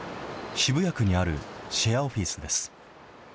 渋谷区にあるシェアオフィスです。